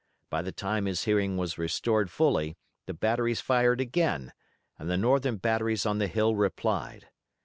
By the time his hearing was restored fully the batteries fired again and the Northern batteries on the hill replied.